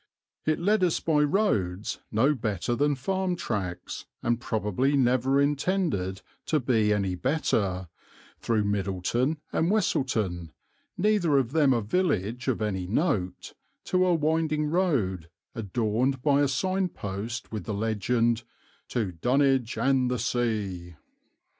It led us by roads no better than farm tracks, and probably never intended to be any better, through Middleton and Westleton, neither of them a village of any note, to a winding road adorned by a sign post with the legend, "To Dunwich and the Sea."